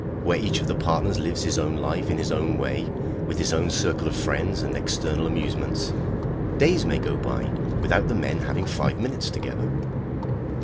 Where each of the partners lives his own life in his own way, with his own circle of friends and external amusements, days may go by without the men having five minutes together.